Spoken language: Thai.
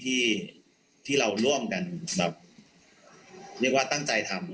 หลายอย่างที่เราร่วมกันอักวามยกว่าตั้งใจทำ